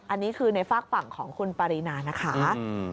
อันนี้คือในฝากฝั่งของคุณปรินานะคะ